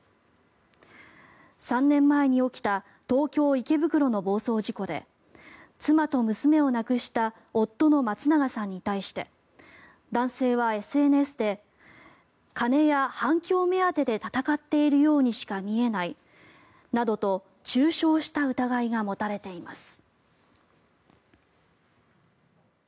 ３年前に起きた東京・池袋の暴走事故で妻と娘を亡くした夫の松永さんに対して男性はＳＮＳで金や反響目当てで闘っているようにしか見えないなどと中傷した疑いが持たれています。